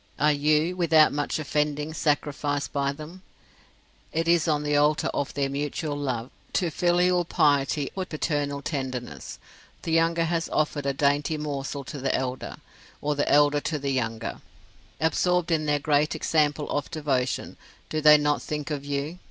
Are you, without much offending, sacrificed by them, it is on the altar of their mutual love, to filial piety or paternal tenderness: the younger has offered a dainty morsel to the elder, or the elder to the younger. Absorbed in their great example of devotion do they not think of you.